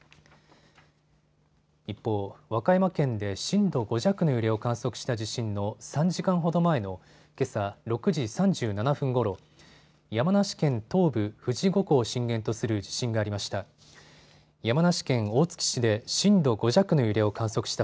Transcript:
一方、和歌山県で震度５弱の揺れを観測した地震の３時間ほど前のけさ６時３７分ごろ、山梨県東部、富士五湖を震源とする地震がありました。